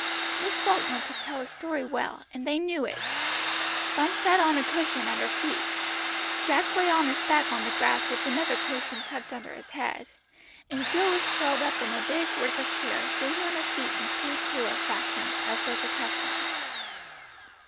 Miss Falkner could tell a story well, and they knew it. Bumps sat on a cushion at her feet, Jack lay on his back on the grass with another cushion tucked under his head, and Jill was curled up in a big wicker chair sitting on her feet in true tailor fashion, as was her custom.